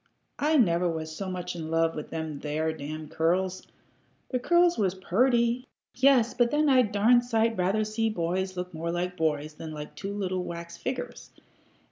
"I never was so much in love with them there damn curls. The curls was purty yes but then I'd a darn sight rather see boys look more like boys than like two little wax figgers.